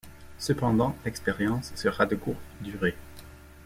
Cependant, l'expérience sera de courte durée.